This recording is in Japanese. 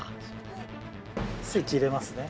スイッチ入れますね。